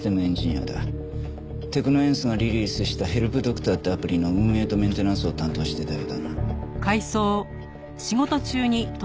テクノエンスがリリースしたヘルプドクターってアプリの運営とメンテナンスを担当していたようだな。